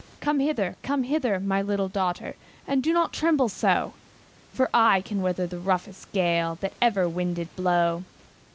"Come hither! come hither! my little daughter, And do not tremble so: For I can weather the roughest gale, That ever wind did blow."